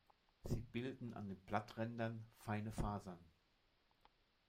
Sie bilden an den Blatträndern feine Fasern.